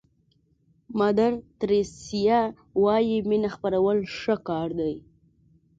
مادر تریسیا وایي مینه خپرول ښه کار دی.